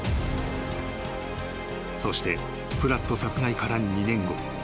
［そしてプラット殺害から２年後］